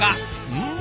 うん！